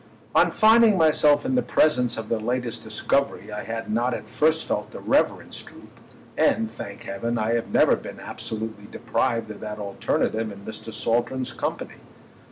On finding myself in the presence of their latest discovery I had not at first felt irreverence droop—and, thank heaven, I have never been absolutely deprived of that alternative in Mr. Saltram's company.